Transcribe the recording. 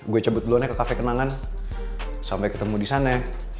gue cabut belonnya ke cafe kenangan sampai ketemu di sana